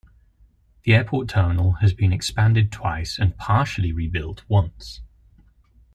The airport terminal has been expanded twice and partially re-built once.